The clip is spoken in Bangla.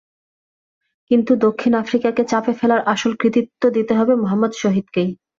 কিন্তু দক্ষিণ আফ্রিকাকে চাপে ফেলার আসল কৃতিত্ব দিতে হবে মোহাম্মদ শহীদকেই।